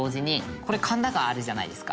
これ神田川あるじゃないですか。